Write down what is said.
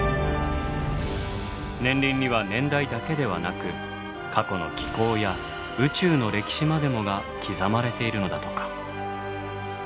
年輪には年代だけではなく過去の気候や宇宙の歴史までもが刻まれているのだとか。